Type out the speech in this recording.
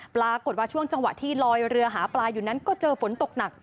ปรากฏว่าช่วงจังหวะที่ลอยเรือหาปลาอยู่นั้นก็เจอฝนตกหนัก